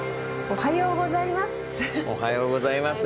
おはようございます。